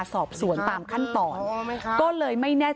เชิงชู้สาวกับผอโรงเรียนคนนี้